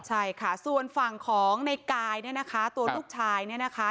ใช่ค่ะส่วนฝั่งของในกายเนี่ยนะคะตัวลูกชายเนี่ยนะคะ